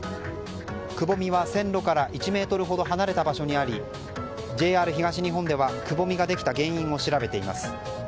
くぼみは線路から１ｍほど離れた場所にありＪＲ東日本ではくぼみができた原因を調べています。